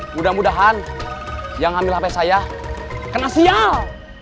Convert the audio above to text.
mudah mudahan yang ambil hp saya kena sial